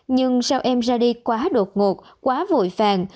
nhưng sau em ra đi quá đột ngột quá vội vàng